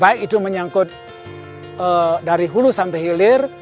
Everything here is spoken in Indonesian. baik itu menyangkut dari hulu sampai hilir